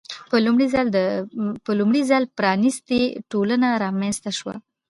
په لومړي ځل پرانیستې ټولنه رامنځته شوه.